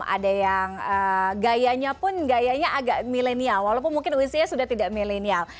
ada yang gayanya pun gayanya agak milenial walaupun mungkin usianya sudah tidak milenial